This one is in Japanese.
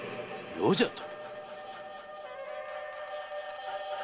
「余」じゃと？